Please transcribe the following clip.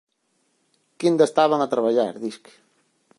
Que aínda estaban a traballar, disque.